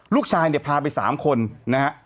ลูกชายเนี่ยพาไป๓คนนะฮะ